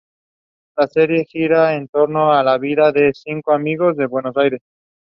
They perform in both Irish and English.